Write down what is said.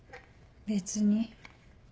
別に。